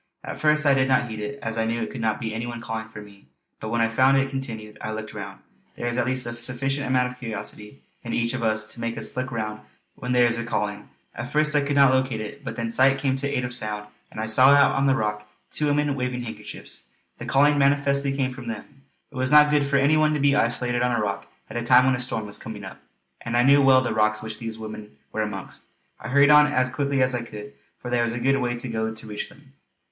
At first I did not heed it, as I knew it could not be any one calling to me; but when I found it continued, I looked round. There is at least a sufficient amount of curiosity in each of us to make us look round when there is a calling. At first I could not locate it; but then sight came to aid of sound, and I saw out on a rock two women waving handkerchiefs. The calling manifestly came from them. It was not good for any one to be isolated on a rock at a time when a storm was coming up; and I knew well the rocks which these women were amongst. I hurried on as quickly as I could, for there was a good way to go to reach them.